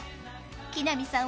木南さん